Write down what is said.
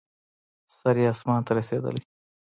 سر یې اسمان ته رسېدلی.